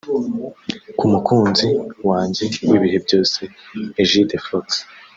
“Ku mukunzi wanjye w’ibihe byose Egide Fox